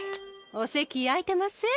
お席空いてますえ。